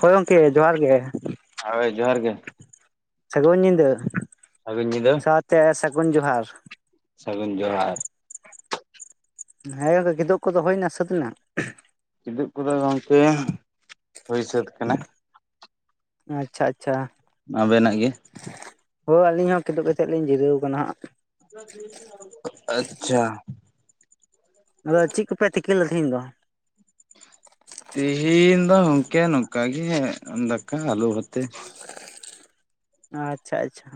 ᱦᱳᱭ ᱜᱚᱢᱠᱮ ᱡᱚᱦᱟᱨ ᱜᱮ ᱦᱳᱭ ᱡᱚᱦᱟᱨ ᱜᱮ ᱥᱟᱹᱜᱩᱱ ᱧᱤᱫᱟᱹ ᱥᱟᱹᱜᱩᱱ ᱧᱤᱫᱟᱹ ᱥᱟᱶᱛᱮ ᱥᱟᱹᱜᱩᱱ ᱡᱚᱦᱟᱨ ᱥᱟᱹᱜᱩᱱ ᱡᱚᱦᱟᱨ ᱦᱮᱸ ᱜᱚᱝᱠᱮ ᱠᱤᱫᱚᱜ ᱠᱚᱫᱚ ᱦᱩᱭᱱᱟ ᱥᱟᱹᱛ ᱮᱱᱟ ᱠᱤᱫᱩ ᱠᱚᱫᱚ ᱜᱚᱢᱠᱮ ᱦᱩᱭ ᱥᱟᱹᱛ ᱠᱟᱱᱟ ᱟᱪᱪᱷᱟ ᱟᱪᱪᱷᱟ ᱟᱵᱮᱱᱟᱜ ᱜᱮ ᱦᱳᱭ ᱟᱹᱞᱤᱧ ᱦᱚᱸ ᱠᱤᱫᱩᱵ ᱠᱟᱛᱮᱫ ᱞᱤᱧ ᱡᱤᱨᱟᱹᱣ ᱠᱟᱱᱟ ᱦᱟᱸᱜ ᱟᱪᱪᱷᱟ ᱟᱫᱚ ᱪᱮᱫ ᱠᱚᱯᱮ ᱛᱤᱠᱤ ᱞᱮᱧ ᱫᱚ ᱛᱤᱦᱤᱱ ᱫᱚ ᱛᱚᱢᱠᱮ ᱱᱚᱝᱠᱟ ᱜᱮ ᱚ ᱫᱟᱠᱟ ᱟᱞᱩ ᱵᱟᱛᱮ ᱟᱪᱪᱷᱟ ᱟᱪᱪᱷᱟ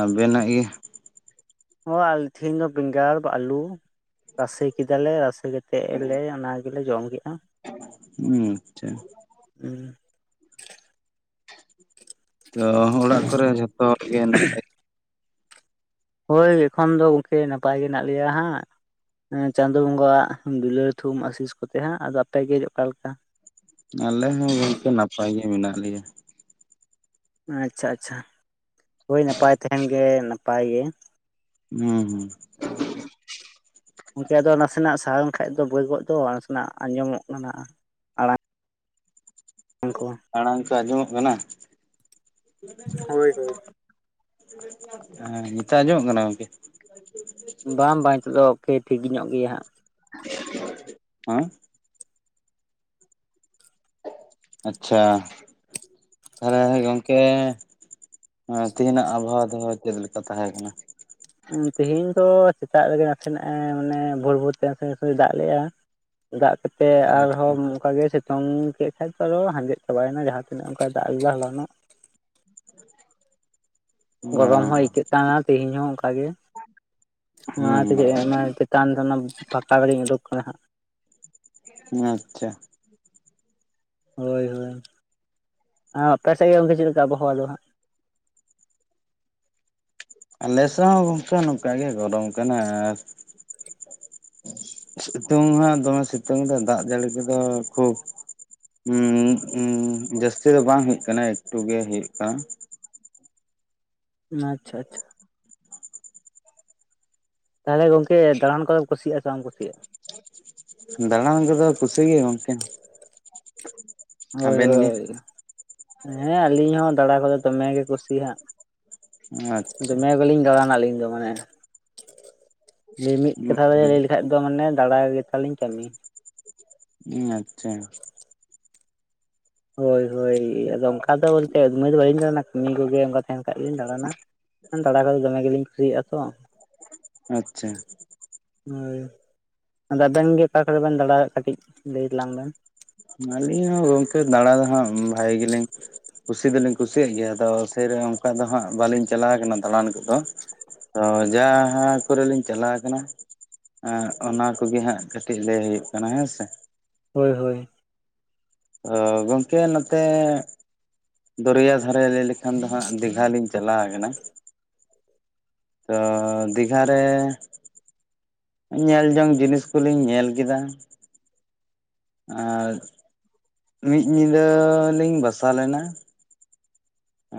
ᱟᱵᱮᱱᱟᱜ ᱜᱮ ᱦᱚ ᱟᱞᱮ ᱛᱮᱦᱮᱧ ᱫᱚ ᱵᱮᱸᱜᱟᱲ ᱟᱹᱞᱩ ᱨᱟᱥᱮ ᱠᱮᱫᱟᱞᱮ ᱨᱟᱥᱮ ᱠᱟᱛᱮ ᱞᱮ ᱚᱱᱟ ᱜᱮᱞᱮ ᱡᱚᱢ ᱠᱮᱫᱼᱟ᱾ ᱦᱩᱸ ᱟᱪᱪᱷᱟ ᱦᱩᱸ ᱛᱚ ᱚᱲᱟᱜ ᱠᱚᱨᱮ ᱡᱷᱚᱛᱚ ᱦᱚᱲ ᱜᱮ ᱱᱟᱯᱟᱭ ᱦᱳᱭ ᱮᱠᱷᱚᱱ ᱫᱚ ᱜᱚᱝᱠᱮ ᱱᱟᱯᱟᱭ ᱜᱮ ᱢᱮᱱᱟᱜᱮ ᱞᱮᱭᱟ ᱦᱟᱸᱜ ᱪᱟᱸᱫᱳ ᱵᱚᱸᱜᱟᱣᱣᱟᱜ ᱫᱩᱞᱟᱹᱲ ᱛᱷᱩᱢ ᱟᱥᱤᱥ ᱠᱚᱛᱮ ᱦᱟᱸᱜ ᱟᱫᱚ ᱟᱯᱮᱜᱮ ᱚᱠᱟ ᱞᱮᱠᱟ᱾ ᱟᱞᱮ ᱦᱚᱸ ᱜᱚᱝᱠᱮ ᱱᱟᱯᱟᱭ ᱜᱮ ᱢᱮᱱᱟᱜ ᱞᱮᱭᱟ ᱟᱪᱪᱷᱟ ᱟᱪᱪᱷᱟ ᱦᱳᱭ ᱱᱟᱯᱟᱭ ᱛᱟᱦᱮᱱ ᱜᱮ ᱱᱟᱯᱟᱭ ᱜᱮ ᱦᱩᱸ ᱦᱩᱸ [unintelligible] ᱜᱚᱝᱠᱮ ᱟᱫᱚ ᱱᱟᱥᱮᱱᱟᱜ ᱥᱟᱦᱟ ᱞᱮᱱ ᱠᱷᱟᱱ ᱫᱚ ᱵᱟᱹᱭ ᱠᱚᱠ ᱫᱚ ᱱᱟᱥᱮᱱᱟᱜ ᱟᱸᱡᱚᱢᱚᱜ ᱠᱟᱱᱟ᱾ ᱩᱱ ᱠᱚ ᱟᱲᱟᱝ ᱠᱚ ᱟᱸᱡᱚᱢᱚᱜ ᱠᱟᱱᱟ [unintelligible] ᱦᱳᱭ ᱦᱳᱭ᱾ ᱦᱮᱸ ᱱᱤᱛᱚᱜ ᱟᱸᱡᱚᱢᱚᱜ ᱠᱟᱱᱟ ᱜᱚᱝᱠᱮ [inaudible] ᱵᱟᱝ ᱵᱟᱝ ᱱᱤᱛᱚᱜ ᱫᱚ ᱳᱠᱮ ᱴᱷᱤᱠ ᱧᱚᱜ ᱜᱮᱭᱟ ᱦᱟᱸᱜ [inaudible] ᱦᱮᱸ ᱟᱪᱪᱷᱟ [unintelligible] ᱜᱚᱝᱠᱮ [inaudible] ᱦᱮ ᱛᱤᱦᱤᱧᱟᱜ ᱟᱵᱚᱦᱟᱣᱟ ᱫᱚ ᱪᱮᱫ ᱞᱮᱠᱟ ᱛᱟᱦᱮᱸ ᱠᱟᱱᱟ ᱦᱮ ᱛᱮᱦᱮᱧ ᱫᱚ ᱥᱮᱛᱟᱜ ᱨᱮᱜᱮ ᱱᱟᱥᱮᱱᱟᱜ ᱢᱟᱱᱮ ᱵᱷᱳᱨᱵᱷᱳᱨ ᱛᱮ ᱱᱟᱥᱮ ᱱᱟᱥᱮ ᱫᱟᱜ ᱞᱮᱫᱼᱟ᱾ ᱫᱟᱜ ᱠᱮᱛᱮᱜ ᱟᱪᱪᱷᱟ ᱟᱨᱦᱚᱸ ᱚᱱᱠᱟ ᱜᱮ ᱚᱸ ᱠᱮᱫ ᱠᱷᱟᱡ ᱟᱨᱦᱚ ᱦᱟᱸᱡᱮᱫ ᱪᱟᱵᱟᱭᱮᱱᱟ ᱡᱟᱦᱟᱸ ᱛᱤᱱᱟᱹᱜ ᱚᱱᱠᱟᱭ ᱫᱟᱜ ᱞᱮᱫᱟ ᱦᱚᱞᱟ ᱱᱚᱜ [inaudible] ᱜᱚᱨᱚᱢ ᱦᱚᱸ ᱟᱹᱭᱠᱟᱹᱜ ᱠᱟᱱᱟ ᱛᱮᱦᱤᱧ ᱦᱚᱸ ᱚᱱᱠᱟᱜᱮ ᱦᱩᱸ ᱚᱱᱟᱛᱮᱜᱮ [unintelligible] [unintelligible] ᱚᱱᱟ ᱯᱷᱟᱠᱟ [unintelligible] ᱩᱰᱩᱠ ᱟᱠᱟᱱᱟ ᱦᱟᱸᱜ [unintelligible] ᱟᱪᱪᱷᱟ ᱦᱳᱭ ᱦᱳᱭ ᱟᱨ ᱟᱯᱮ ᱥᱮᱫ ᱜᱮ ᱜᱚᱝᱠᱮ ᱪᱮᱫ ᱞᱮᱠᱟ ᱟᱵᱚᱦᱟᱣᱟ ᱫᱚ ᱦᱟᱸᱜ ᱟᱞᱮᱥᱮᱫ ᱦᱚᱸ ᱜᱚᱝᱠᱮ ᱱᱚᱝᱠᱟ ᱜᱮ ᱜᱚᱨᱚᱢ ᱠᱟᱱᱟ ᱟᱨ ᱥᱤᱛᱩᱝ ᱦᱟᱜ ᱫᱚᱢᱮ ᱥᱤᱛᱩᱝ ᱮᱫᱟᱭ ᱫᱟᱜ ᱡᱟᱹᱲᱤ ᱠᱚᱫᱚ ᱠᱷᱩᱵ ᱦᱩᱸ ᱦᱩᱸ ᱡᱟᱹᱥᱛᱤ ᱫᱚ ᱵᱟᱝ ᱦᱩᱭᱩᱜ ᱠᱟᱱᱟ ᱮᱠᱴᱩ ᱜᱮ ᱦᱩᱭᱩᱜ ᱠᱟᱱᱟ᱾ ᱱᱟ ᱟᱪᱪᱷᱟ ᱟᱪᱪᱷᱟ ᱛᱟᱦᱚᱞᱮ ᱜᱚᱝᱠᱮ ᱫᱟᱬᱟᱱ ᱠᱚᱫᱚᱚᱢ ᱠᱩᱥᱤᱭᱟᱜᱼᱟ ᱥᱮ ᱵᱟᱢ ᱠᱩᱥᱤᱭᱟᱜᱼᱟ᱾ ᱫᱟᱬᱟᱱ ᱠᱚᱫᱚ ᱠᱩᱥᱤ ᱜᱮ ᱜᱚᱝᱠᱮ᱾ ᱦᱳᱭ ᱟᱵᱮᱱ ᱜᱮ ᱦᱳᱭ ᱦᱮᱸ ᱟᱹᱞᱤᱧ ᱦᱚᱸ ᱫᱟᱬᱟ ᱠᱚᱫᱚ ᱫᱚᱢᱮ ᱜᱮ ᱠᱩᱥᱤᱭᱟᱜ ᱟᱪᱪᱷᱟ ᱫᱚᱢᱮ ᱜᱮᱞᱤᱧ ᱫᱟᱬᱟᱱᱟ ᱟᱹᱞᱤᱧ ᱫᱚ ᱢᱟᱱᱮ ᱢᱤᱢᱤᱫ ᱠᱟᱛᱷᱟ ᱫᱚ ᱞᱟᱹᱭ ᱞᱮᱠᱷᱟᱡ ᱫᱚ ᱢᱟᱱᱮ ᱫᱟᱲᱟ ᱜᱮ ᱛᱟᱞᱤᱧ ᱠᱟᱹᱢᱤ᱾ ᱦᱮᱸ ᱟᱪᱪᱷᱟ ᱦᱳᱭ ᱦᱳᱭ ᱟᱫᱚ ᱚᱱᱠᱟ ᱫᱚ ᱵᱚᱞᱛᱮ ᱩᱫᱢᱟᱹᱭ ᱫᱚ ᱵᱟᱹᱞᱤᱧ ᱫᱟᱲᱟᱱᱟ ᱠᱟᱹᱢᱤ ᱠᱚᱜᱮ ᱚᱱᱠᱟ ᱛᱟᱦᱮᱱ ᱠᱷᱟᱡ ᱜᱮᱞᱤᱧ ᱫᱟᱬᱟᱱᱟ ᱫᱟᱬᱟ ᱠᱚᱫᱚ ᱫᱚᱢᱮ ᱜᱮᱞᱤᱧ ᱠᱩᱥᱤᱭᱟᱜᱼᱟ ᱛᱚ᱾ ᱟᱪᱪᱷᱟ ᱦᱳᱭ ᱟᱫᱚ ᱟᱵᱮᱱ ᱜᱮ ᱚᱠᱟ ᱠᱚᱨᱮ ᱵᱮᱱ ᱫᱟᱟᱲᱟᱭᱮᱫ ᱠᱟᱹᱴᱤᱡ ᱞᱟᱹᱭ ᱛᱟᱞᱟᱝ ᱵᱮᱱ ᱟᱹᱞᱤᱧ ᱦᱚᱸ ᱜᱚᱝᱠᱮ ᱫᱟᱬᱟ ᱫᱚ ᱦᱟᱸᱜ ᱵᱷᱟᱹᱜᱤ ᱜᱤᱞᱤᱧ ᱠᱩᱥᱤ ᱫᱚᱞᱤᱧ ᱠᱩᱥᱤᱭᱟᱜ ᱜᱮᱭᱟ ᱟᱫᱚ [unintelligible] ᱚᱱᱠᱟ ᱫᱚ ᱦᱟᱸᱜ ᱵᱟᱹᱞᱤᱧ ᱪᱟᱞᱟᱣ ᱣᱟᱠᱟᱱᱟ ᱫᱟᱬᱟᱱ ᱠᱚ ᱛᱚ ᱛᱚ ᱡᱟᱦᱟᱸ ᱠᱚᱨᱮ ᱞᱤᱧ ᱪᱟᱞᱟᱣ ᱠᱟᱱᱟ ᱚᱱᱟ ᱠᱚᱜᱮ ᱦᱟᱸᱜ ᱠᱟᱹᱴᱤᱡ ᱞᱟᱹᱭ ᱦᱩᱭᱩᱜ ᱠᱟᱱᱟ ᱦᱮᱸ ᱥᱮ ᱦᱳᱭ ᱦᱳᱭ ᱛᱚ ᱜᱚᱝᱠᱮ ᱱᱚᱛᱮ ᱫᱚᱨᱭᱟ ᱫᱷᱟᱨᱮ ᱞᱟᱹᱭ ᱞᱮᱠᱷᱟᱱ ᱫᱚ ᱦᱟᱸᱜ ᱫᱤᱜᱷᱟ ᱞᱤᱧ ᱪᱟᱞᱟᱣ ᱠᱟᱱᱟ᱾ ᱛᱚ ᱫᱤᱜᱷᱟ ᱨᱮ ᱧᱮᱞ ᱡᱚᱝ ᱡᱤᱱᱤᱥ ᱠᱩᱞᱤᱧ ᱧᱮᱞ ᱠᱮᱫᱟ᱾ ᱟᱨ ᱢᱤᱫ ᱧᱤᱫᱟᱹ ᱞᱤᱧ ᱵᱟᱥᱟ ᱞᱮᱱᱟ᱾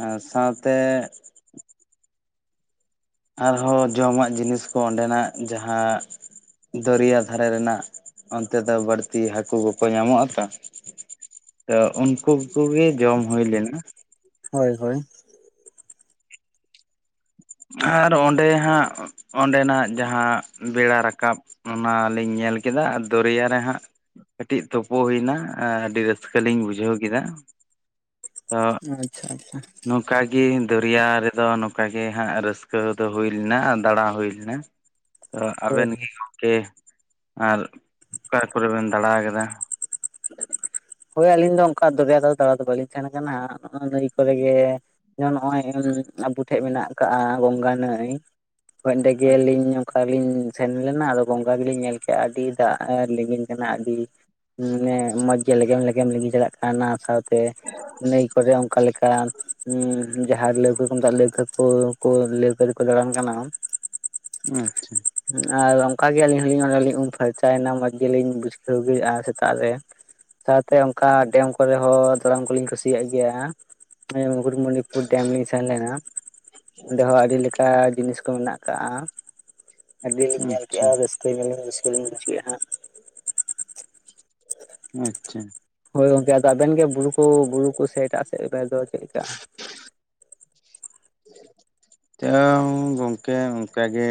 ᱟᱨ ᱥᱟᱶᱛᱮ ᱟᱨᱦᱚᱸ ᱡᱚᱢᱟᱜ ᱡᱤᱱᱤᱥ ᱠᱚ ᱚᱸᱰᱮᱱᱟᱜ ᱡᱟᱦᱟᱸ ᱫᱚᱨᱭᱟ ᱫᱷᱟᱨᱮ ᱨᱮᱱᱟᱜ ᱚᱱᱛᱮ ᱫᱚ ᱵᱟᱹᱲᱛᱤ ᱦᱟᱹᱠᱩ ᱠᱚᱠᱚ ᱧᱟᱢᱚᱜ ᱟ ᱛᱚ ᱛ ᱩᱱᱠᱩ ᱠᱚᱜᱮ ᱡᱚᱢ ᱦᱩᱭ ᱞᱮᱱᱟ ᱦᱳᱭ ᱦᱳᱭ ᱟᱨ ᱚᱸᱰᱮ ᱦᱟᱸᱜ ᱚᱸᱰᱮᱱᱟᱜ ᱡᱟᱦᱟᱸ ᱵᱮᱲᱟ ᱨᱟᱠᱟᱵ ᱚᱱᱟᱞᱤᱧ ᱧᱮᱞ ᱠᱮᱫᱟ ᱟᱨ ᱫᱚᱨᱭᱟ ᱨᱮ ᱦᱟᱸᱜ ᱠᱟᱹᱴᱤᱡ ᱛᱩᱯᱳ ᱦᱩᱭᱱᱟ ᱟᱹᱰᱤ ᱨᱟᱹᱥᱠᱟᱹ ᱞᱤᱧ ᱵᱩᱡᱷᱟᱹᱣ ᱠᱮᱫᱟ ᱛᱚ ᱟᱪᱪᱷᱟ ᱟᱪᱪᱷᱟ ᱱᱚᱝᱠᱟᱟᱜᱤ ᱫᱚᱨᱭᱟ ᱨᱮᱫᱚ ᱱᱚᱝᱠᱟᱟᱜ ᱜᱮ ᱦᱟᱸᱜ ᱨᱟᱹᱥᱠᱟᱹ ᱫᱚ ᱦᱩᱭ ᱞᱮᱱᱟ ᱫᱟᱬᱟ ᱦᱩᱭ ᱞᱮᱱᱟ ᱛᱚ ᱦᱳᱭ ᱟᱵᱮᱱ ᱦᱳᱭ ᱜᱮ ᱜᱚᱢᱠᱮ ᱟᱨ ᱚᱠᱟ ᱠᱚᱨᱮ ᱵᱮᱱ ᱫᱟᱬᱟ ᱟᱠᱟᱫᱟ ᱦᱳᱭ ᱟᱹᱞᱤᱧ ᱫᱚ ᱚᱱᱠᱟ ᱫᱚᱨᱭᱟᱛ ᱫᱟᱬᱟ ᱫᱚ ᱵᱟᱟᱹᱞᱤᱧ ᱛᱟᱦᱮᱱ ᱠᱟᱱᱟ ᱱᱚᱜᱼ ᱱᱟᱹᱭᱤ ᱠᱚᱨᱮ ᱜᱮ ᱱᱚᱜᱼᱚᱭ ᱟᱵᱚ ᱴᱷᱮᱡ ᱢᱮᱱᱟᱜ ᱟᱠᱟᱟᱜᱼᱟ ᱵᱚᱸᱜᱟ ᱱᱟᱹᱭ ᱦ ᱟᱪᱪᱷᱟ ᱚᱸᱰᱮᱜᱮᱞᱞᱤᱧ ᱝᱠᱟᱞᱤᱧ ᱥᱮᱱ ᱞᱮᱱᱟ ᱟᱫᱚ ᱵᱚᱸᱜᱟ ᱜᱮᱞᱤᱧ ᱧᱮᱞ ᱠᱮᱫᱼᱟ ᱟᱹᱰᱤ ᱫᱟᱜ ᱞᱤᱸᱜᱤᱱ ᱠᱟᱱᱟ ᱟᱹᱰᱤ ᱢᱟᱱᱮ ᱢᱚᱸᱡᱽ ᱜᱮ ᱞᱮᱜᱮᱢ ᱞᱮᱜᱮᱢ ᱞᱮᱤᱜᱤ ᱪᱟᱞᱟᱜ ᱠᱟᱱᱟ ᱚᱱᱟ ᱥᱟᱶᱛᱮ ᱱᱟᱹᱭ ᱠᱚᱨᱮ ᱚᱱᱠᱟ ᱞᱮᱠᱟ ᱦᱮᱸ ᱡᱟᱦᱟᱸ ᱞᱟᱹᱣᱠᱟᱹ ᱠᱚ ᱢᱮᱛᱟᱜ ᱞᱟᱹᱣᱠᱟᱹ ᱠᱚ ᱞᱟᱹᱣᱠᱟᱹ ᱨᱮᱠᱚ ᱫᱟᱬᱟᱱ ᱠᱟᱱᱟ ᱟᱪᱪᱷᱟ ᱟᱨ ᱚᱱᱠᱟᱜ ᱜᱮ ᱟᱹᱞᱤᱧ ᱦᱚᱸᱞᱤᱧᱤᱧ ᱩᱢ ᱯᱷᱟᱨᱪᱟᱭᱮᱱᱟ ᱢᱚᱸᱡᱽ ᱜᱮᱞᱤᱧ ᱵᱩᱡᱷᱠᱟᱹᱣᱼᱟ ᱪᱮᱛᱟᱜ ᱨᱮ ᱥᱟᱶᱛᱮ ᱚᱱᱠᱟ ᱰᱮᱢ ᱠᱚᱨᱮ ᱦᱚᱸ ᱫᱬᱟᱱ ᱠᱚᱞᱤᱧ ᱠᱩᱥᱤᱭᱟᱜ ᱜᱮᱭᱟ ᱢᱩᱠᱩᱴᱢᱚᱱᱤ ᱰᱮᱢ ᱞᱤᱧ ᱥᱮᱱ ᱞᱮᱱᱟ ᱚᱸᱰᱮ ᱦᱚᱸ ᱟᱹᱰᱤ ᱞᱮᱠᱟ ᱚᱱᱠᱟ ᱡᱤᱱᱤᱥ ᱠᱚ ᱢᱮᱱᱟᱜ ᱟᱠᱟᱟᱜ ᱟᱹᱰᱤ ᱞᱤᱢ ᱧᱮᱞ ᱟᱪᱪᱷᱟ ᱠᱮᱫᱼᱟ ᱵᱮᱥ ᱟᱹᱧᱮᱞᱱᱟᱧᱟᱹᱠᱟᱹᱧ ᱵᱡ ᱠᱮᱫᱮᱫ ᱦᱟᱸᱜ ᱟᱪᱪᱷᱟ ᱦᱳᱭ ᱜᱚᱝᱠᱮ ᱟᱫᱚ ᱟᱵᱮᱱ ᱜᱮ ᱵᱩᱨᱩ ᱠᱚ ᱵᱩᱨᱩ ᱠᱚ ᱥᱮ ᱮᱴᱟᱜ ᱥᱮᱫ ᱨᱮᱫᱚ ᱪᱮᱫᱞᱠᱟ ᱦᱮᱸ ᱛᱚ ᱜᱚᱝᱠᱮ ᱚᱱᱠᱟ ᱜᱮ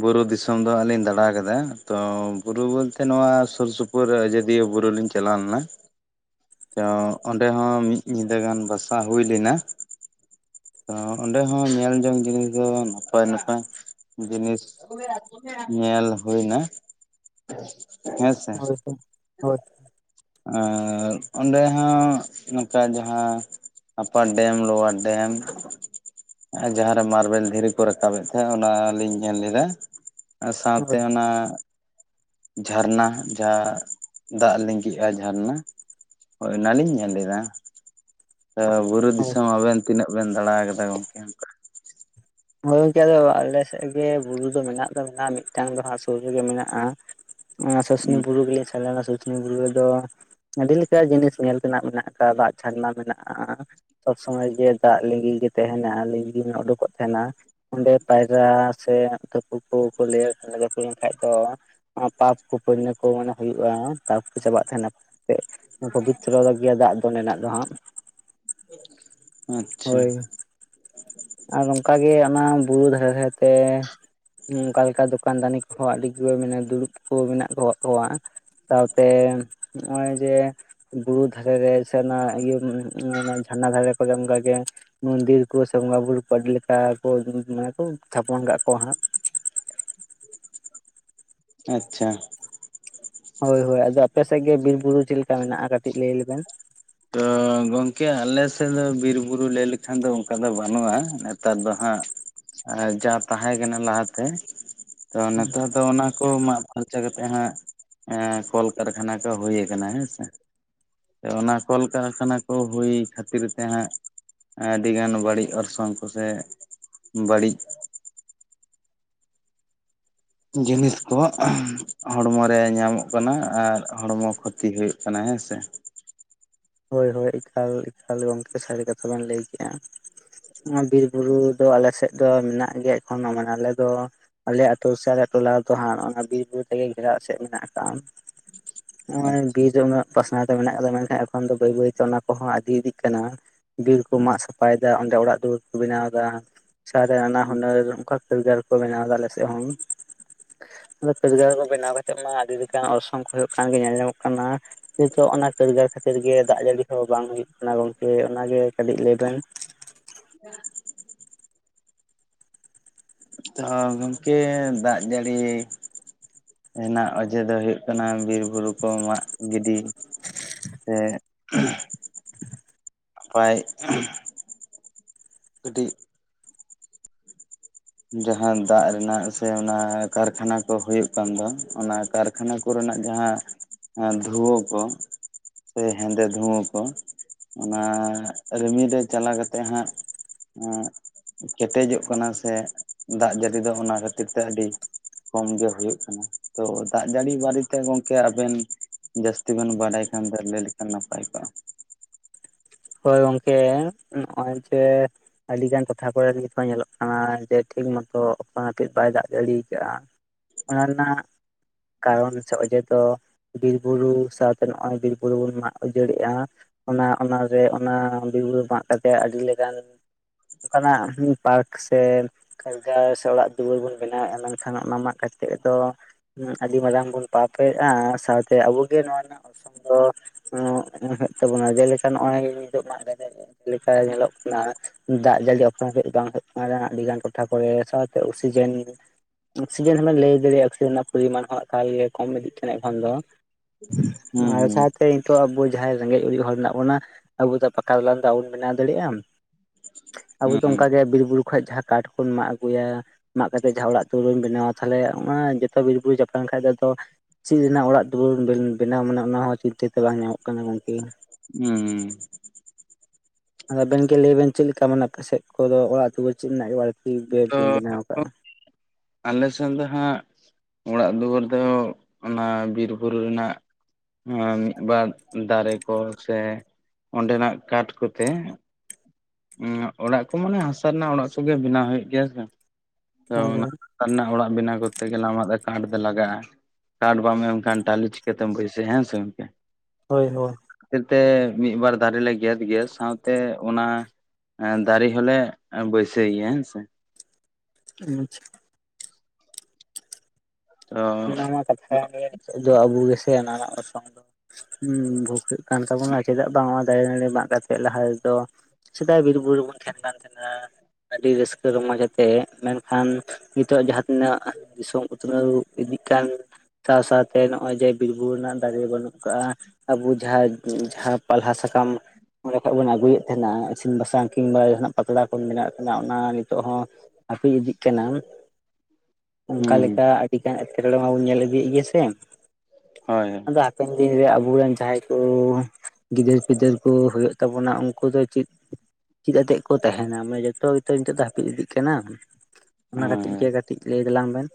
ᱵᱩᱨᱩ ᱫᱤᱥᱚᱢ ᱫᱚ ᱞᱤᱧ ᱫᱟᱟᱲᱟ ᱟᱠᱟᱫᱟ ᱛᱚ ᱵᱩᱨᱩ ᱵᱚᱞᱛᱮ ᱱᱚᱣᱟ ᱥᱩᱨ ᱥᱩᱯᱩᱨ ᱵ ᱟᱡᱚᱫᱤᱭᱟᱹ ᱵᱩᱨᱩ ᱞᱤᱧ ᱪᱟᱞᱟᱣ ᱞᱮᱱᱟ ᱛᱚ ᱚᱸᱰᱮ ᱦᱚᱸ ᱢᱤᱫ ᱧᱤᱫᱟᱹ ᱜᱟᱱ ᱵᱟᱥᱟ ᱦᱩᱭ ᱞᱮᱱᱟ ᱛᱚ ᱚᱸᱰᱮ ᱦᱚᱸ ᱧᱮᱞ ᱡᱚᱝ ᱡᱤᱱᱤᱥ ᱫᱚ ᱱᱟᱯᱟᱭ ᱱᱟᱯᱟᱭ ᱡᱤᱱᱤᱥ ᱧᱮᱞ ᱦᱩᱭ ᱮᱱᱟ ᱦᱮᱸ ᱥᱮ ᱦᱳᱭ ᱦᱳᱭ ᱦᱳᱭ ᱟᱨ ᱚᱸᱰᱮ ᱦᱚᱸ ᱱᱚᱝᱠᱟ ᱡᱟᱦᱟᱸ ᱟᱯᱟᱨ ᱰᱮᱢ ᱞᱳᱣᱟᱨ ᱰᱮᱢ ᱟᱨ ᱡᱟᱦᱟᱸᱨᱮ ᱢᱟᱨᱵᱮᱞ ᱫᱷᱤᱨᱤ ᱠᱚ ᱨᱟᱠᱟᱵᱮᱫ ᱛᱟᱦᱮᱸᱫ ᱚᱱᱟ ᱞᱤᱧ ᱧᱮᱞ ᱞᱮᱫᱟ ᱟᱨ ᱥᱟᱶᱛᱮ ᱚᱱᱟ ᱡᱷᱟᱨᱱᱟ ᱡᱟᱦᱟᱸ ᱫᱟᱜ ᱞᱤᱸᱜᱤᱜᱼᱟ ᱡᱷᱟᱨᱱᱟ ᱦᱳᱭ ᱚᱱᱟᱞᱤᱧ ᱧᱮᱞ ᱞᱮᱫᱟ ᱵᱩᱨᱩ ᱦᱳᱭ ᱫᱤᱥᱚᱢ ᱟᱵᱮᱱ ᱛᱤᱱᱟᱹᱜ ᱵᱮᱱ ᱫᱟᱬᱟ ᱟᱠᱟᱫᱟ ᱜᱚᱝᱠᱮ ᱜᱳᱭ ᱜᱚᱝᱠᱮ ᱟᱞᱮ ᱥᱮᱫ ᱜᱮ ᱵᱩᱨᱩ ᱫᱚ ᱢᱮᱱᱟᱜ ᱫᱚ ᱢᱮᱱᱟᱜᱼᱟ ᱢᱤᱫᱴᱟᱝ ᱫᱚ ᱦᱟᱸᱜ ᱥᱩᱨ ᱨᱮᱜᱮ ᱢᱮᱱᱟᱜᱼᱟ ᱥᱩᱥᱱᱤ ᱵᱩᱨᱩ ᱜᱮᱞᱤᱧ ᱥᱮᱱ ᱞᱮᱱᱟ ᱥᱩᱥᱱᱤ ᱵᱩᱨᱩ ᱨᱮᱫᱚ ᱟᱹᱰᱤ ᱞᱮᱠᱟ ᱡᱤᱱᱤᱥ ᱧᱮᱞ ᱛᱮᱱᱟᱜ ᱢᱮᱱᱟᱜ ᱟᱠᱟᱫᱟ ᱫᱟᱜ ᱪᱷᱟᱨᱱᱟ ᱢᱮᱱᱟᱜᱼᱟ ᱥᱚᱵᱽ ᱥᱚᱢᱚᱭ ᱡᱮ ᱫᱟᱜ ᱞᱟᱹᱜᱤᱫ ᱜᱮ ᱛᱟᱦᱮᱱᱟ ᱞ ᱩᱰᱩᱠᱚᱜ ᱛᱟᱦᱮᱱᱟ ᱚᱸᱰᱮ ᱯᱟᱭᱨᱟ ᱥᱮ ᱛᱯᱩ ᱠᱚᱠᱚ ᱞᱟᱹᱭ ᱞᱮᱱᱠᱷᱟᱡ ᱫᱚ ᱯᱟᱯ ᱠᱚ ᱯᱚᱱᱱᱚ ᱠᱚ ᱢᱮ ᱦᱩᱭᱩᱜᱼᱟ ᱛᱟᱯ ᱠᱚ ᱪᱟᱵᱟᱜ ᱛᱟᱦᱮᱱᱟ ᱯᱚᱵᱤᱛᱨᱚ ᱜᱮᱭᱟ ᱫᱟᱜ ᱫᱚᱱᱱᱟᱜ ᱫᱚ ᱦᱟᱸᱜ ᱟᱪᱪᱷᱟ ᱦᱳᱭ ᱟᱨ ᱱᱚᱝᱠᱟᱜᱮ ᱚᱱᱟ ᱵᱩᱨᱩ ᱫᱷᱟᱨᱮ ᱫᱷᱟᱨᱮᱛᱮ ᱚᱱᱠᱟ ᱞᱮᱠᱟ ᱫᱚᱠᱟᱱ ᱫᱟᱱᱤ ᱠᱚᱦᱚᱸ ᱟᱹᱰᱤ ᱜᱮ ᱢᱟᱱᱮ ᱫᱩᱲᱩᱵ ᱠᱚ ᱢᱮᱱᱟᱜ ᱟᱠᱟᱫ ᱠᱚᱣᱟ ᱥᱟᱶᱛᱮ ᱱᱚᱜᱼᱚᱭ ᱡᱮ, ᱵᱩᱨᱩ ᱫᱷᱟᱨᱮ ᱨᱮ ᱥᱮ ᱚᱱᱟ ᱤᱭᱟᱹ ᱡᱷᱟᱨᱱᱟ ᱫᱷᱟᱨᱮ ᱠᱚᱨᱮ ᱚᱱᱠᱟᱜᱮ, ᱢᱚᱱᱫᱤᱨ ᱠᱚ ᱥᱮ ᱵᱚᱸᱜᱟ ᱵᱩᱨᱩ ᱠᱚ ᱟᱹᱰᱤ ᱞᱮᱠᱟ ᱠᱚ ᱢᱟᱱᱮ ᱠᱚ ᱛᱷᱟᱯᱚᱱ ᱠᱟᱜ ᱠᱚᱣᱟ ᱦᱟᱸᱜ ᱾ ᱟᱪᱪᱷᱟ ᱾ ᱦᱳᱭ ᱦᱳᱭ ᱟᱫᱚ ᱟᱯᱮ ᱥᱮᱫ ᱜᱮ ᱵᱤᱨ ᱵᱩᱨᱩ ᱪᱮᱫ ᱞᱮᱠᱟ ᱢᱮᱱᱟᱜᱼᱟ, ᱠᱟᱹᱴᱤᱡ ᱞᱟᱹᱭ ᱞᱮᱵᱮᱱ? ᱛ ᱜᱚᱝᱠᱮ ᱟᱞᱮ ᱥᱮᱫ ᱫᱚ ᱵᱤᱨᱵᱩᱨᱩ ᱞᱟᱹᱭ ᱞᱮᱠᱷᱟᱱ ᱫᱚ ᱚᱱᱠᱟ ᱫᱚ ᱵᱟᱹᱱᱩᱜᱼᱟ, ᱱᱮᱛᱟᱨ ᱫᱚ ᱦᱟᱸᱜ ᱟᱨ ᱡᱟ ᱛᱟᱦᱮᱸ ᱠᱟᱱᱟ ᱞᱟᱦᱟᱛᱮ ᱛᱚ ᱱᱤᱛᱚᱜ ᱫᱚ ᱚᱱᱟ‌ ᱠᱚ ᱢᱟᱜ ᱯᱷᱟᱨᱪᱟ ᱠᱟᱛᱮᱜ ᱦᱟᱸᱜ ᱮ ᱠᱚᱞ ᱠᱟᱨᱠᱷᱟᱱᱟ ᱠᱚ ᱦᱩᱭᱠᱟᱱᱟ ᱦᱮᱸ ᱥᱮ ᱾ ᱚᱱᱟ ᱠᱚᱞᱼᱠᱟᱨᱠᱷᱟᱱᱟ ᱠᱚ ᱦᱩᱭ ᱠᱷᱟᱹᱛᱤᱨ ᱛᱮ ᱦᱟᱸᱜ, ᱟᱹᱰᱤᱜᱟᱱ ᱵᱟᱹᱲᱤᱡ, ‌ᱚᱨᱥᱚᱝ ᱠᱚᱥᱮ ᱵᱟᱹᱲᱤᱡ ᱡᱤᱱᱤᱥ ᱠᱚ ᱦᱚᱲᱢᱚ ᱨᱮ ᱧᱟᱢᱚᱜ ᱠᱟᱱᱟ ᱟᱨ ᱦᱚᱲᱢᱚ ᱠᱷᱚᱛᱤ ᱦᱩᱭᱩᱜ ᱠᱟᱱᱟ ᱦᱮᱸ ᱥᱮ‌᱾ ᱦᱳᱭ ᱦᱳᱭ ᱮᱠᱟᱞ ᱮᱠᱟᱞ ᱜᱚᱢᱠᱮ ᱥᱟᱹᱨᱤ ᱠᱟᱛᱷᱟ ᱵᱮᱱ ᱞᱟᱹᱭ ᱠᱮᱜᱼᱟ ᱾ ᱱᱚᱣᱟ ᱵᱤᱨ ᱵᱩᱨᱩ ᱫᱚ ᱟᱞᱮᱥᱮᱫ ᱫᱚ ᱢᱮᱱᱟᱜ ᱜᱮᱭᱟ, ᱮᱠᱷᱚᱱᱚ ᱢᱟᱱᱮ ᱟᱞᱮ ᱫᱚ ᱾ ᱟᱞᱮ ᱟᱹᱛᱩ ᱥᱮ ᱴᱚᱞᱟ ᱨᱮ ᱫᱚ ᱦᱟᱸᱜ ᱚᱱᱟ ᱵᱤᱨ ᱵᱩᱨᱩ ᱛᱮᱜᱮ ᱜᱷᱮᱨᱟᱣ ᱮᱥᱮᱫ ᱢᱮᱱᱟᱜ ᱟᱠᱟᱟᱜᱼᱟ ᱾ ᱱᱚᱜᱚᱭ ᱵᱤᱨ ᱫᱚ ᱩᱱᱟᱹᱜ ᱯᱟᱥᱱᱟᱣ ᱛᱮ ᱢᱮᱱᱟᱜ ᱟᱠᱟᱫᱟ, ᱢᱮᱱᱠᱷᱟᱱ ᱮᱠᱷᱚᱱ ᱫᱚ ᱵᱟᱹᱭ ᱵᱟᱹᱭᱛᱮ ᱚᱱᱟ ᱠᱚᱦᱚᱸ ᱟᱤᱫᱤ ᱤᱫᱤᱜ ᱠᱟᱱᱟ ᱾ ᱵᱤᱨ ᱠᱚ ᱢᱟᱜ ᱥᱟᱯᱷᱟᱭᱮᱫᱟ ᱚᱸᱰᱮ ᱚᱲᱟᱜ ᱫᱩᱣᱟᱹᱨ ᱠᱚ ᱵᱮᱱᱟᱣ ᱮᱫᱟ ᱾ ᱥᱟᱨ ᱨᱮ ᱱᱟᱱᱟ ᱦᱩᱱᱟᱹᱨ ᱚᱱᱠᱟ ᱠᱟᱹᱨᱜᱟᱨ ᱠᱚ ᱵᱮᱱᱟᱣᱫᱟ ᱟᱞᱮ ᱥᱮᱫ ᱦᱚᱸ ᱠᱟᱹᱟᱹᱨᱜᱟᱨ ᱠᱚ ᱵᱮᱱᱟᱣ ᱠᱟᱛᱮᱜ ᱢᱟ ᱟᱹᱰᱤ ᱞᱮᱠᱟᱱ ᱚᱨᱥᱚᱝ ᱠᱚ ᱦᱩᱭᱩᱜ ᱠᱟᱱᱜ ᱧᱮᱞ ᱧᱟᱢᱚᱜ ᱠᱟᱱᱟ ᱱᱤᱛᱚᱜ ᱚᱱᱟ ᱠᱟᱹᱨᱜᱟᱨ ᱠᱷᱟᱹᱛᱤᱨ ᱜᱮ ᱫᱟᱜ ᱡᱟᱹᱲᱤ ᱦᱚᱸ ᱵᱟᱝ ᱦᱩᱭᱩᱜ ᱠᱟᱱᱟ ᱜᱚᱝᱠᱮ ᱚᱱᱟᱜᱮ ᱠᱟᱹᱴᱤᱡ ᱞᱟᱹᱭ ᱵᱮᱱ? [unintelligible] ᱛᱚ ᱜᱚᱢᱠᱮ ᱫᱟᱜ ᱡᱟᱹᱲᱤ ᱾ ᱨᱮᱱᱟᱜ ᱚᱡᱮ ᱫᱚ ᱦᱩᱭᱩᱜᱜ ᱠᱟᱱᱟ ᱵᱤᱨ ᱾ ᱵᱩᱨᱩ ᱠᱚ ᱢᱟᱜ ᱜᱤᱰᱤ ᱥᱮ, ᱯᱟᱭ ᱠᱟᱹᱴᱤᱡ ᱡᱟᱦᱟᱸ ᱫᱟᱜ ᱨᱮᱱᱟᱜ ᱥᱮ ᱚᱱᱟ ᱠᱟᱨᱠᱷᱟᱱᱟ ᱠᱚ ᱦᱩᱭᱩᱜ ᱠᱟᱱ ᱫᱚ ᱚᱱᱟ ᱠᱟᱨ ᱠᱷᱟᱱᱟ ᱠᱚᱨᱮᱱᱟᱜ ᱡᱟᱦᱟᱸ ᱫᱷᱩᱣᱟᱹ ᱠᱚ ᱥᱮ ᱦᱮᱸᱫᱮ ᱫᱷᱩᱣᱟᱹ ᱠᱚ ᱚᱱᱟ ᱨᱢᱤᱨ ᱨᱮ ᱪᱟᱞᱟᱣ ᱠᱟᱛᱮᱮᱫ ᱦᱟᱸᱜ ᱠᱮᱴᱮᱡᱚᱜ ᱠᱟᱱᱟ ᱥᱮ ᱫᱟᱜ ᱡᱟᱹᱲᱤ ᱫᱚ ᱚᱱᱟ ᱠᱷᱟᱹᱛᱤᱨ ᱛᱮ ᱟᱹᱰᱤ ᱠᱚᱢᱜᱮ ᱦᱩᱭᱩᱜ ᱠᱟᱱᱟ ᱛᱳ ᱫᱟᱜ ᱡᱟᱹᱲᱤ ᱵᱟᱨᱮᱛᱮ ᱜᱚᱝᱠᱮ ᱟᱵᱮᱱ ᱡᱟᱹᱥᱛᱤ ᱵᱱ ᱵᱟᱰᱟᱭ ᱠᱷᱟᱱ ᱫᱚ ᱞᱟᱹᱭ ᱞᱮᱠᱷᱟᱱ ᱱᱟᱯᱟᱭ ᱠᱚᱜᱼᱟ ᱦᱳᱭ ᱜᱚᱝᱠᱮ ᱱᱚᱜᱼᱚᱭ ᱡᱮ ᱟᱹᱰᱤᱜᱟᱱ ᱴᱚᱴᱷᱟ ᱠᱚᱨᱮᱤᱛᱷ ᱧᱮᱞᱚᱜ ᱠᱟᱱᱟ ᱡᱮ ᱴᱷᱤᱠ ᱢᱚᱛᱚ ᱚᱠ ᱱᱟᱯᱤᱡ ᱵᱟᱭ ᱫᱟᱜ ᱡᱟᱲᱮ ᱟᱠᱟᱫᱟᱼᱟ ᱾ ᱚᱱᱟ ᱨᱮᱱᱟᱜ ᱠᱟᱨᱚᱱ ᱥᱮ ᱚᱡᱮ ᱫᱚ ᱾ ᱵᱤᱨᱵᱩᱨᱩ ᱥᱟᱶᱛᱮ ᱱᱚᱜ ᱚᱚᱭ ᱵᱤᱨᱵᱩᱨᱩ ᱵᱚᱱ ᱢᱟᱜ ᱩᱡᱟᱹᱲᱮᱜᱼᱟ ᱚᱱᱟ ᱚᱱᱟᱱ᱾ ᱨᱮ ᱚᱱᱟ ᱵᱤᱨᱩᱨᱩ ᱢᱟᱜ ᱠᱟᱛᱮ ᱟᱹᱰᱤ ᱞᱮᱠᱟᱱ ᱚᱱᱠᱟᱱᱟᱜ ᱯᱟᱨᱠ ᱥᱮ ᱠᱟᱨᱡᱟᱨ ᱥᱮ ᱚᱲᱟᱜ ᱫᱩᱣᱟᱹᱨ ᱵᱚᱱ ᱵᱮᱱᱟᱣᱮᱫᱼᱟ ᱢᱮᱱᱠᱷᱟᱱ ᱚᱱᱟ ᱢᱟᱜ ᱠᱟᱛᱮᱫ ᱫᱚ, ᱟᱹᱰᱤ ᱢᱟᱨᱟᱝ ᱵᱚᱱ ᱯᱟᱯᱮᱫᱼᱟ ᱥᱟᱶᱛᱮ ᱟᱵᱚ ᱜᱮ ᱱᱚᱣᱟ ᱨᱮᱱᱟᱜ ᱦᱩᱭᱩᱜ ᱛᱟᱵᱚᱱᱟ ᱡᱮᱞᱮᱠᱟ ᱱᱚᱜᱼᱚᱭ ᱢᱟ ᱞᱮᱠᱟ ᱧᱮᱞᱚᱜ ᱠᱟᱱᱟ ᱫᱟᱜ ᱡᱟᱹᱲᱤᱯ ᱵᱟᱝ ᱦᱩᱭᱩᱜ ᱠᱟᱱᱟ ᱟᱹᱰᱤᱜᱟᱱ ᱴᱚᱴᱷᱟ ᱠᱚᱨᱮ ᱚᱠᱥᱤᱡᱮᱱ ᱚᱠᱥᱤᱡᱮᱱ ᱦᱚᱸᱵᱮᱱ ᱞᱟᱹᱭ ᱫᱟᱲᱮᱭᱟᱜᱼᱟ ᱚᱠᱥᱤᱡᱮᱱ ᱨᱮᱱᱟᱜ ᱯᱚᱨᱤᱢᱟᱱ ᱦᱚᱸ ᱮᱠᱟᱞᱮ ᱠᱚᱢ ᱤᱫᱤᱜ ᱠᱟᱱᱟ ᱠᱷᱟᱱ ᱫᱚ ᱚᱱᱟ ᱦᱩᱸ ᱥᱟᱶᱛᱮ ᱱᱤᱛᱳᱜ ᱟᱵᱚ ᱡᱟᱦᱟᱸᱭ ᱨᱮᱸᱜᱮᱡ ᱚᱨᱮᱡ ᱦᱚᱲ ᱢᱮᱱᱟᱜ ᱵᱚᱱᱟ ᱟᱵᱚ ᱫᱚ ᱯᱟᱠᱟ ᱛᱟᱞᱟᱱ ᱫ ᱟ ᱵᱚᱱ ᱵᱮᱱᱟᱣ ᱫᱟᱲᱮᱭᱟᱜᱼᱟ ᱟᱵᱚ ᱦᱩᱸ ᱫᱚ ᱦᱩᱸ ᱚᱱᱠᱟᱜᱮ ᱵᱤᱨᱵᱩᱨᱩ ᱠᱷᱚ ᱡᱟᱦᱟᱸ ᱠᱟᱴ ᱵᱚᱱ ᱢᱟᱜ ᱟᱹᱜᱩᱭᱟ ᱢᱟᱜ ᱠᱟᱛᱮᱫ ᱡᱟᱦᱟᱸ ᱚᱲᱟᱜ ᱫᱩᱣᱟᱹᱨᱟᱹᱢ ᱵᱮᱱᱟᱣᱟ ᱛᱟᱦᱚᱞᱮ ᱚᱱᱟ ᱡᱚᱛᱚ ᱵᱤᱨᱵᱩᱨᱩ ᱡᱟᱯ ᱞᱮᱱ ᱠᱷᱟᱱᱡ ᱫᱚ ᱟᱫᱚ ᱪᱮᱫ ᱨᱮᱱᱟᱜ ᱚᱲᱟᱜ ᱫᱩᱣᱟᱹᱨ ᱵᱮ ᱵᱮᱱᱟᱣ ᱢᱟᱱᱮ ᱚᱱᱟ ᱦᱚᱸ ᱪᱤᱱᱛᱟᱹ ᱛᱮ ᱵᱟᱝ ᱧᱟᱢᱚᱜ ᱠᱟᱱᱟ ᱜᱚᱝᱠᱮ ᱦᱩᱸ ᱫᱚ ᱟᱵᱮᱱ ᱜᱮ ᱞᱟᱹᱭ ᱵᱮᱱ ᱪᱮᱫ ᱞᱮᱠᱟ ᱢᱟᱱᱮ ᱟᱯᱮ ᱥᱮᱫ ᱠᱚᱫᱚ ᱚᱲᱟᱜ ᱟᱹᱛᱩ ᱫᱚ ᱪᱮᱫ ᱨᱮᱱᱟᱜ ᱵᱟᱲᱛᱤ ᱛᱚ ᱵᱮᱱᱟᱣ ᱠᱟᱜᱼᱟ ᱟᱞᱮ ᱥᱮᱫ ᱫᱚ ᱦᱟᱸᱜ ᱚᱲᱟᱜ ᱫᱩᱣᱟᱹᱨ ᱫᱚ ᱚᱱᱟ ᱵᱤᱨ ᱵᱩᱨᱩ ᱨᱮᱱᱟᱜ ᱦᱮ ᱢᱤᱫ ᱵᱟᱨ ᱫᱟᱨᱮ ᱠᱚ ᱥᱮ ᱚᱸᱰᱮᱱᱟᱜ ᱠᱟᱴ ᱠᱚᱛᱮ ᱚᱲᱟᱜ ᱠᱚ ᱢᱟᱱᱮ ᱦᱟᱥᱟ ᱨᱮᱱᱟᱜ ᱚᱲᱟᱜ ᱠᱚᱜᱮ ᱵᱮᱱᱟᱣ ᱦᱩᱭᱩᱜ ᱜᱮᱭᱟ ᱥᱮ ᱦᱳᱭ ᱦᱟᱥᱟ ᱨᱮᱱᱟᱜ ᱚᱲᱟᱜ ᱵᱮᱱᱟᱣ ᱠᱚᱨᱛᱮ ᱜᱮᱞᱮ ᱟᱢᱟᱜ ᱫᱚ ᱠᱟᱴ ᱫᱚ ᱞᱟᱜᱼᱟ ᱠᱟᱴ ᱵᱟ ᱮᱢᱠᱷᱟᱱ ᱴᱟᱞᱤ ᱪᱤᱠᱟᱹ ᱛᱮᱢ ᱵᱟᱹᱭᱥᱮ ᱦᱮᱸ ᱥᱮ ᱜᱚᱝᱠᱮ ᱦᱳᱭ ᱦᱳᱭ᱾ ᱠᱷᱟᱹᱛᱤᱨ ᱛᱮ ᱢᱤᱫ ᱵᱟᱨ ᱫᱟᱨᱮ ᱞᱮ ᱜᱮᱫ ᱜᱮᱭᱟ ᱥᱟᱶᱛᱮ ᱚᱱᱟ ᱫᱟᱨᱮ ᱦᱚᱞᱮ ᱵᱟᱹᱭᱥᱟᱹᱭ ᱜᱮᱭᱟ ᱦᱮᱸᱥᱮ ᱟᱪᱪᱷᱟ᱾ ᱛᱚ ᱚᱱᱟ ᱢᱟ ᱠᱟᱛᱷᱟ ᱠᱟᱱ ᱜᱮᱭᱟ ᱱᱤᱛᱚᱜ ᱫᱚ ᱟᱵᱚ ᱜᱮᱥᱮ ᱚᱱᱟ ᱨᱮᱱᱟᱜ ᱥᱚᱝ ᱫᱚ ᱦᱩᱸ ᱵᱷᱩᱜᱟᱹᱜ ᱠᱟᱱ ᱛᱟᱵᱚᱱᱟ ᱪᱮᱫᱟᱜ ᱵᱟᱝ ᱫᱟᱨᱮ ᱱᱟᱹᱲᱤ ᱢᱟᱜ ᱠᱟᱛᱮᱜ ᱞᱟᱦᱟ ᱨᱮᱫᱚ ᱥᱮᱫᱟᱭ ᱵᱤᱨ ᱵᱩᱨᱩ ᱨᱮ ᱵᱚᱱ ᱛᱟᱦᱮᱱ ᱠᱟᱱ ᱛᱟᱦᱮᱱᱟ- ᱟᱹᱰᱤ ᱨᱟᱹᱥᱠᱟᱹ ᱨᱚᱢᱚᱡᱽ ᱟᱛᱮ ᱢᱮᱱᱠᱷᱟᱱ ᱱᱤᱛᱚᱜ ᱡᱟᱦᱟᱸ ᱛᱤᱱᱟᱹᱜ ᱫᱤᱥᱚᱢ ᱩᱛᱱᱟᱹᱣ ᱤᱫᱤᱜ ᱠᱟᱱ ᱥᱟᱶ ᱥᱟᱶᱛᱮ ᱱᱚᱜᱼᱚᱭ ᱡᱮ ᱵᱤᱨᱵᱩᱨ ᱨᱮᱱᱟᱜ ᱫᱟᱨᱮ ᱵᱟᱹᱱᱩᱜ ᱠᱟᱜᱼᱟ ᱟᱵᱚ ᱡᱟᱦᱟᱸ ᱡᱟᱦᱟᱸ ᱯᱟᱞᱦᱟ ᱥᱟᱠᱟᱢ ᱚᱸᱰᱮ ᱠᱷᱚᱡ ᱵᱚᱱ ᱟᱹᱜᱩᱭᱮᱫ ᱛᱟᱦᱮᱱᱟ ᱤᱥᱤᱱ ᱵᱟᱥᱟᱝ ᱠᱤᱱᱵᱟ ᱡᱟᱦᱱᱟᱜ ᱯᱟᱛᱲᱟ ᱠᱚ ᱵᱚᱱ ᱵᱮᱱᱟᱣᱮᱫ ᱛᱟᱦᱮᱱᱟ ᱚᱱᱟ ᱱᱤᱛᱚᱜ ᱦᱚᱸ ᱟᱯᱤ ᱤᱫᱤᱜ ᱠᱟᱱᱟ ᱚᱱᱠᱟ ᱦᱩᱸ ᱞᱮᱠᱟ ᱪᱮᱠᱟᱱ ᱮᱴᱠᱮᱴᱚᱬᱮ ᱢᱟᱵᱚᱱ ᱧᱮᱞ ᱤᱫᱤᱭᱮᱫ ᱜᱮᱭᱟ ᱥᱮ ᱦᱳᱭ ᱷᱳᱭ ᱟᱫᱚ ᱦᱟᱯᱮᱱ ᱫᱤᱱᱨᱮ ᱟᱵᱚᱨᱮᱱ ᱡᱟᱦᱟᱸᱭ ᱠᱚ ᱜᱤᱫᱟᱹᱨ ᱯᱤᱫᱟᱹᱨ ᱠᱚ ᱦᱩᱭᱩᱜ ᱛᱟᱵᱚᱱᱟ ᱩᱱᱠᱩ ᱫᱚ ᱪᱮᱫ ᱪᱮᱫᱟᱛᱜ ᱠᱚ ᱛᱟᱦᱮᱱᱟ ᱢᱟᱱᱮ ᱡᱚᱛᱚ ᱜᱮᱛ ᱱᱤᱛᱚᱜ ᱫᱚ ᱦᱟᱹᱯᱤᱫ ᱤᱫᱤᱜ ᱠᱟᱱᱟ, ᱦ ᱚᱱᱟ ᱠᱟᱹᱴᱤᱡ ᱜᱮ ᱠᱟᱹᱴᱤᱡ ᱞᱟᱹᱭ ᱛᱟᱞᱟᱝ ᱵᱮᱱ᱾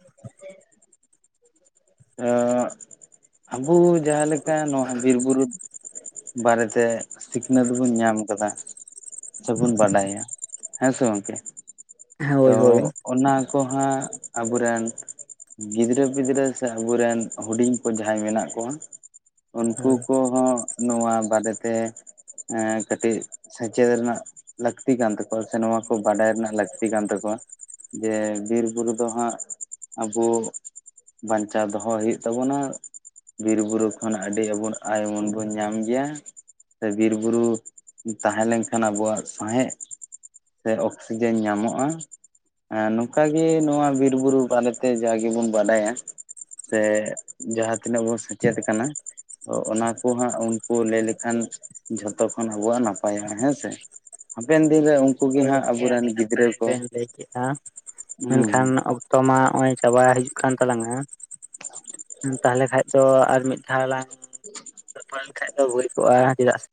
ᱟᱵᱚ ᱡᱟᱦᱟᱸ ᱞᱮᱠᱟ ᱱᱚᱣᱟ ᱵᱤᱨᱼᱵᱩᱨᱩ ᱵᱟᱨᱮᱛᱮ ᱥᱤᱠᱷᱱᱟᱹᱛ ᱵᱚᱱ ᱧᱟᱢ ᱠᱟᱫᱟ ᱥᱮᱵᱚᱱ ᱵᱟᱰᱟᱭᱟ ᱦᱮᱸ ᱥᱮ ᱜᱚᱢᱠᱮ ᱛᱚ ᱦᱳᱭ ᱦᱳᱭ ᱚᱱᱟ ᱠᱚᱦᱟᱸ ᱟᱵᱚᱨᱮᱱ ᱜᱤᱫᱽᱨᱟᱹ ᱯᱤᱫᱽᱨᱟᱹ ᱥᱮ ᱟᱵᱚᱨᱮᱱ ᱦᱩᱰᱤᱧ ᱠᱚ ᱡᱟᱦᱟᱸᱭ ᱢᱮᱱᱟᱜ ᱠᱚᱣᱟ ᱩᱱᱠᱩ ᱠᱚᱦᱚᱸ ᱱᱚᱣᱟ ᱵᱟᱨᱮᱛᱮ ᱮ ᱠᱟᱹᱴᱤᱡ ᱥᱮᱪᱮᱫ ᱨᱮᱱᱟᱜ ᱞᱟᱹᱠᱛᱤ ᱠᱟᱱ ᱛᱟᱠᱚᱣᱟ ᱥᱮ ᱱᱚᱣᱟ ᱠᱚ ᱵᱟᱰᱟᱭ ᱨᱮᱱᱟᱜ ᱞᱟᱹᱠᱛᱤ ᱞᱟᱹᱠᱛᱤ ᱠᱟᱱ ᱛᱟᱠᱚᱣᱟ ᱡᱮ ᱵᱤᱨᱵᱩᱨᱩ ᱫᱚ ᱦᱟᱸᱜ ᱟᱵᱚ ᱵᱟᱧᱪᱟᱣ ᱫᱚᱦᱚ ᱦᱩᱭᱩᱜ ᱛᱟᱵᱚᱱᱟ ᱵᱤᱨᱵᱩᱨᱩ ᱠᱷᱚᱱ ᱟᱹᱰᱤ ᱟᱵᱚ ᱟᱭᱢᱚᱱ ᱵᱚᱱ ᱧᱟᱢ ᱜᱮᱭᱟ ᱥᱮ ᱵᱤᱨᱵᱩᱨᱩ ᱛᱟᱦᱮᱸ ᱞᱮᱱᱠᱷᱟᱱ ᱟᱵᱚᱣᱟᱜ ᱥᱟᱶᱦᱮᱫ ᱥᱮ ᱚᱠᱥᱤᱡᱮᱱ ᱧᱟᱢᱚᱜᱼᱟ ᱱᱚᱝᱠᱟᱜᱼᱮ ᱜᱮ ᱱᱚᱣᱟ ᱵᱤᱨ ᱵᱩᱨᱩ ᱵᱟᱨᱮᱛᱮ ᱡᱟᱜ ᱜᱮᱵᱚᱱ ᱵᱟᱰᱟᱭᱟ ᱥᱮ ᱡᱟᱦᱟᱸ ᱛᱤᱱᱟᱹᱜ ᱵᱚᱱ ᱥᱮᱪᱮᱫ ᱠᱟᱱᱟ- ᱛᱚ ᱚᱱᱟ ᱠᱚ ᱦᱟᱸᱜ ᱩᱱᱠᱩ ᱞᱟᱹᱭ ᱞᱮᱠᱷᱟᱱ ᱡᱷᱚᱛᱚ ᱠᱷᱚᱱ ᱟᱵᱚᱣᱟᱜ ᱱᱟᱯᱟᱭᱟ ᱦᱮᱸᱥᱮ- ᱦᱟᱯᱮᱱ ᱫᱤᱱᱨᱮ ᱩᱱᱠᱩ ᱜᱮ ᱦᱳᱭ ᱦᱟᱸᱜ ᱜᱚᱢᱠᱮ ᱟᱵᱚᱨᱮᱱ ᱟᱹᱰᱤ ᱜᱤᱫᱽᱨᱟᱹ᱾ ᱱᱟᱯᱟᱭ ᱠᱚ ᱞᱟᱹᱭ ᱠᱮᱫᱼᱟ ᱦᱩᱸ ᱦᱩᱸ ᱢᱮᱱᱠᱷᱟᱱ ᱚᱠᱛᱚ ᱢᱟ ᱱᱚᱜᱼᱚᱭ ᱪᱟᱵᱟ ᱦᱤᱡᱩᱜ ᱠᱟᱱ ᱛᱟᱞᱟᱝᱟ ᱛᱟᱦᱞᱮ ᱠᱷᱟᱱᱡ ᱫᱚ ᱟᱨ ᱢᱤᱫ ᱫᱷᱟᱣ ᱞᱟᱝ- [unintelligible] ᱨᱟᱯᱷᱟ ᱞᱮᱱᱠᱷᱟᱡ ᱫᱚ ᱦᱩᱭ ᱠᱚᱜᱼᱟ ᱪᱮᱫᱟᱜ ᱥᱮ-